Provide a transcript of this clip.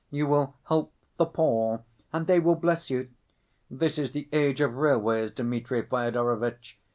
You will help the poor, and they will bless you. This is the age of railways, Dmitri Fyodorovitch.